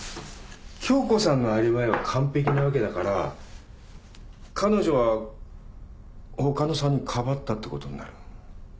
杏子さんのアリバイは完璧なわけだから彼女は他の３人かばったってことになる。